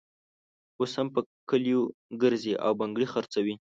اوس هم په کلیو ګرزي او بنګړي خرڅوي.